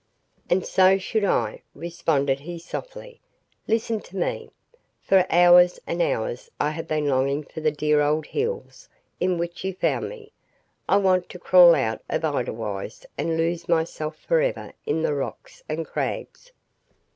"And so should I," responded he softly. "Listen to me. For hours and hours I have been longing for the dear old hills in which you found me. I wanted to crawl out of Edelweiss and lose myself forever in the rocks and crags.